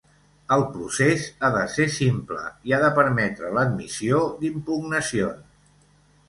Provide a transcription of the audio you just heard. El procés ha de ser simple i ha de permetre l’admissió d’impugnacions.